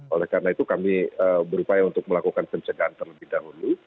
oleh karena itu kami berupaya untuk melakukan pencegahan terlebih dahulu